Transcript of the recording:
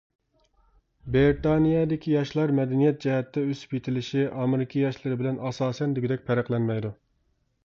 بىرىتانىيەدىكى ياشلار مەدەنىيەت جەھەتتە ئۆسۈپ يېتىلىشى ئامېرىكا ياشلىرى بىلەن ئاساسەن دېگۈدەك پەرقلەنمەيدۇ.